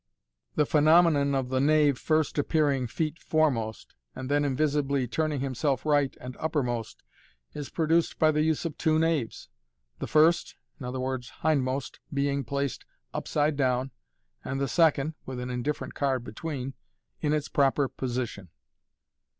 The phenomenon of the knave first appearing feet foremost, and then invisibly turning himself right end uppermost, is produced by the use of two knaves, the first (i.e., hindmost) being placed upside down, and the second (with an indifferent card between) in its proper position.